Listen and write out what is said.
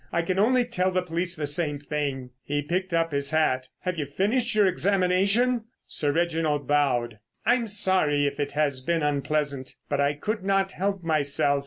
"I can only tell the police the same thing." He picked up his hat. "Have you finished your examination?" Sir Reginald bowed. "I'm sorry if it has been unpleasant. But I could not help myself.